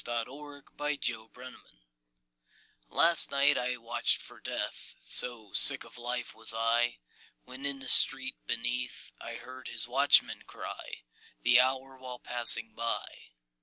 TIME AND DEATH AND LOVE. Last night I watched for Death So sick of life was I! When in the street beneath I heard his watchman cry The hour, while passing by.